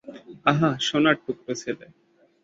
আহা, সোনার টুকরো ছেলে!